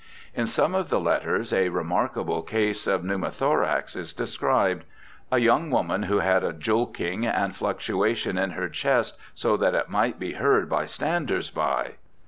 In one of the letters a remarkable case of pneumothorax is described :' A young woman who had a julking and fluctuation in her chest so that it might be heard by standers by.'